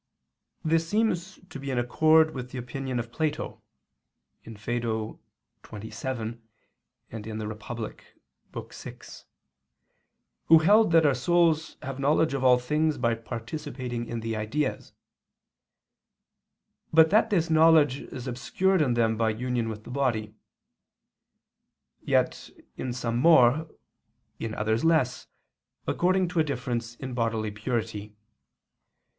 This seems to be in accord with the opinion of Plato [*Phaed. xxvii; Civit. vi], who held that our souls have knowledge of all things by participating in the ideas; but that this knowledge is obscured in them by union with the body; yet in some more, in others less, according to a difference in bodily purity.